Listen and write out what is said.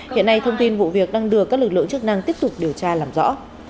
hiện nay thông tin vụ việc đang được các lực lượng chức năng tiếp tục điều tra làm rõ